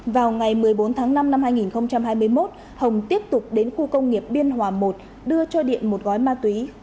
vào ngày một mươi bốn tháng năm năm hai nghìn hai mươi một hồng tiếp tục đến khu công nghiệp biên hòa i đưa cho điện một gói ma túy